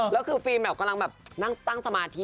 แล้วคือฟิล์มกำลังแบบนั่งตั้งสมาธิ